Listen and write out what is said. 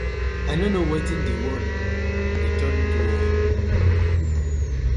I no kno wetin di world dey turn to ooo.